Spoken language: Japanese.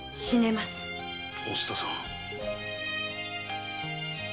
お蔦さん。